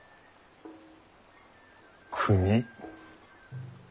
国。